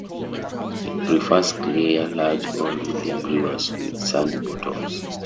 It prefers clear, large or medium rivers with sandy bottoms.